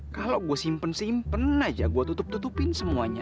kalau gue simpen simpen aja gue tutup tutupin semuanya